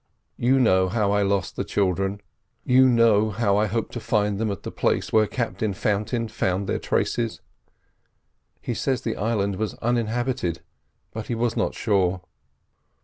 You know how I lost the children; you know how I hope to find them at the place where Captain Fountain found their traces? He says the island was uninhabited, but he was not sure."